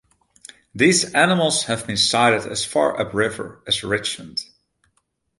These animals have been sighted as far upriver as Richmond.